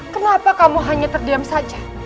kenapa kamu hanya terdiam saja